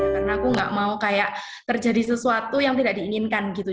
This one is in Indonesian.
karena aku nggak mau kayak terjadi sesuatu yang tidak diinginkan gitu